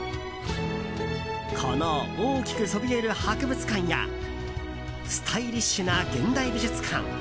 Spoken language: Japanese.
この大きくそびえる博物館やスタイリッシュな現代美術館。